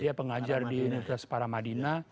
dia pengajar di universitas paramadina